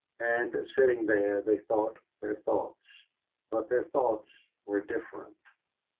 And sitting there they thought their thoughts, but their thoughts were different.